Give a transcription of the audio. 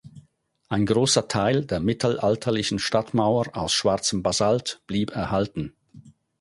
Ein großer Teil der mittelalterlichen Stadtmauer aus schwarzem Basalt blieb erhalten.